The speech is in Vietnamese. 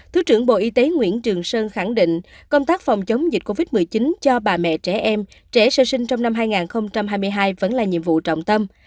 thứ trưởng bộ y tế nguyễn trường sơn khẳng định công tác phòng chống dịch covid một mươi chín cho bà mẹ trẻ em trẻ sơ sinh trong năm hai nghìn hai mươi hai vẫn là nhiệm vụ trọng tâm